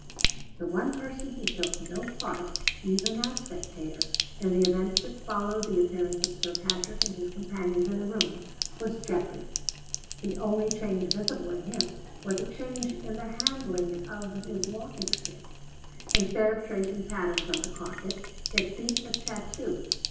The one person who took no part, even as spectator, in the events that followed the appearance of Sir Patrick and his companions in the room was Geoffrey. The only change visible in him was a change in the handling of his walking stick. Instead of tracing patterns on the carpet, it beat a tattoo.